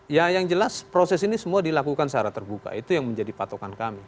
ya yang jelas proses ini semua dilakukan secara terbuka itu yang menjadi patokan kami